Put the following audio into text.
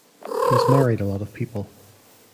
He's married a lot of people.